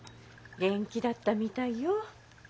元気だったみたいよ。